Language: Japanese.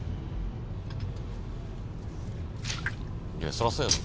そりゃそうやろ。